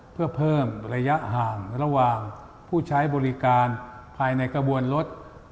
เพื่อเพิ่มระยะห่างระหว่างผู้ใช้บริการภายในกระบวนรถ